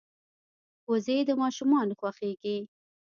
وزې د ماشومانو خوښېږي